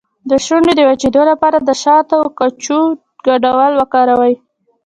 د شونډو د وچیدو لپاره د شاتو او کوچو ګډول وکاروئ